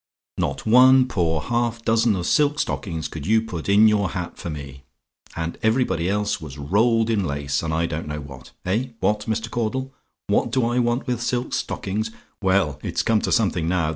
Not one poor half dozen of silk stockings could you put in your hat for me; and everybody else was rolled in lace, and I don't know what. Eh? What, Mr. Caudle? "WHAT DO I WANT WITH SILK STOCKINGS? "Well it's come to something now!